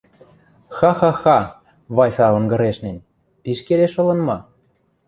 — Ха-ха-ха, — Вайса онгырешнен, — пиш келеш ылын ма?